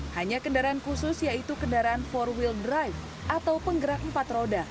hanya kendaraan khusus yaitu kendaraan for will drive atau penggerak empat roda